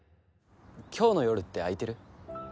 今日の夜って空いてる？